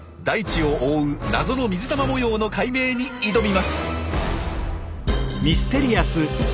大地を覆う謎の水玉模様の解明に挑みます！